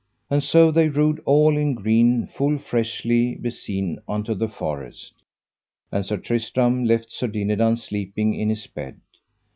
And so they rode all in green full freshly beseen unto the forest. And Sir Tristram left Sir Dinadan sleeping in his bed.